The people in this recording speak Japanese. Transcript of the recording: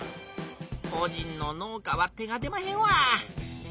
こじんの農家は手が出まへんわ。